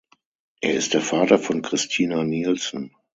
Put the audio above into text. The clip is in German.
Er ist der Vater von Christina Nielsen.